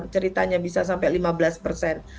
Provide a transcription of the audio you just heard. ceritanya bisa sampai lima belas persen